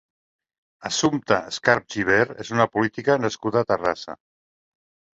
Assumpta Escarp Gibert és una política nascuda a Terrassa.